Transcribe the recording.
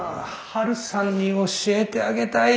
ハルさんに教えてあげたい！